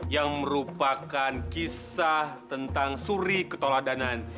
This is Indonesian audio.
yang merupakan kisah tentang suri ketoladanan